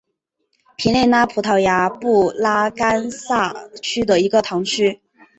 皮内拉是葡萄牙布拉干萨区的一个堂区。